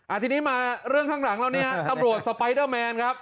ทีนี้มาเรื่องข้างหลังแล้วนี่ฮะตำรวจสไปเดอร์แมนครับ